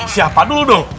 siapa dulu dong